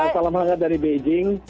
salam hangat dari beijing